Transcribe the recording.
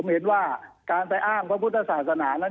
เห็นว่าการไปอ้างพระพุทธศาสนานั้น